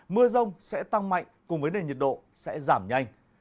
mưa rông sẽ tăng mạnh cùng với nền nhiệt độ sẽ giảm nhanh